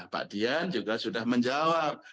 pak dian juga sudah menjawab